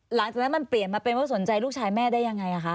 หลังจากนั้นมันเปลี่ยนมาเป็นว่าสนใจลูกชายแม่ได้ยังไงคะ